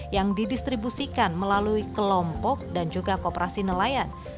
yang didistribusikan melalui kelompok dan juga kooperasi nelayan